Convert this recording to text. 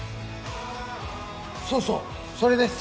そうそうそれです。